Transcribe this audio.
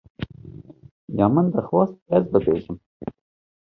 Ya min dixwest ez bibêjim.